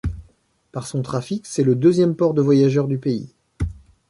Par son trafic c'est le deuxième port de voyageurs du pays.